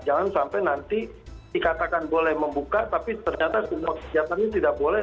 jangan sampai nanti dikatakan boleh membuka tapi ternyata semua kegiatan ini tidak boleh